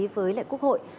với lại quốc hội